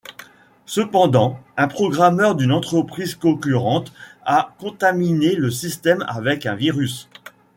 Cependant, un programmeur d'une entreprise concurrente a contaminé le système avec un virus.